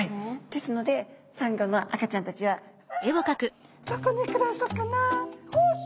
ですのでサンゴの赤ちゃんたちはうわどこで暮らそうかなよし